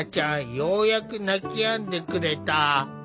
ようやく泣きやんでくれた。